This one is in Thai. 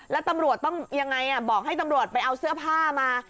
แล้วตำรวจต้องยังไงบอกให้ตำรวจไปเอาเสื้อผ้ามา